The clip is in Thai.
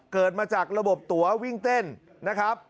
เกิดมาจากระบบตัววิ่งเต้นนะครับ